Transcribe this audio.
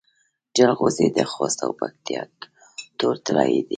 جلغوزي د خوست او پکتیا تور طلایی دي.